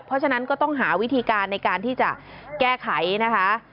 เพราะฉะนั้นก็ต้องหาวิธีการในการที่จะแก้ไขนะคะ